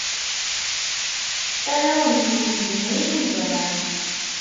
Arraw-nsen ttgen ayen ay bɣan.